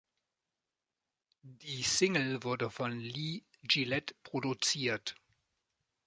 Die Single wurde von Lee Gillette produziert.